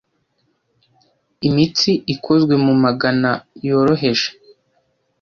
Imitsi ikozwe mu magana yoroheje.